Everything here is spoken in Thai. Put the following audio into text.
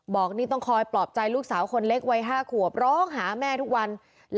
บอกนี่ต้องคอยปลอบใจลูกสาวคนเล็กวัย๕ขวบร้องหาแม่ทุกวัน